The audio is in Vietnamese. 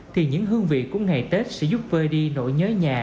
thì những hương vị của ngày tết sẽ giúp vơi đi nỗi nhớ nhà